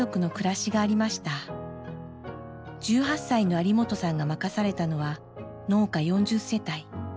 １８歳の有元さんが任されたのは農家４０世帯。